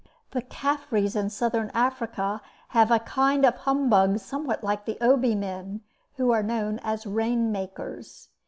The Caffres in Southern Africa have a kind of humbug somewhat like the Obi men, who are known as rainmakers.